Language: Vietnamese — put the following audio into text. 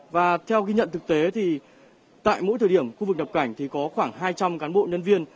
và theo ghi nhận thực tế thì tại mỗi thời điểm khu vực nhập cảnh thì có khoảng hai trăm linh cán bộ nhân viên